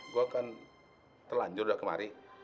gue kan telanjur udah kemari